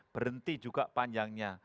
berhenti juga panjangnya